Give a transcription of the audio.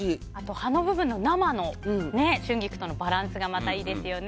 葉の部分の生の春菊とのバランスがまたいいですよね。